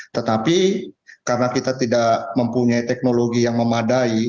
tetapi karena kita tidak mempunyai teknologi yang memadai